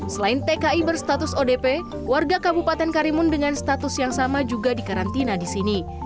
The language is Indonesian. selain tki berstatus odp warga kabupaten karimun dengan status yang sama juga dikarantina di sini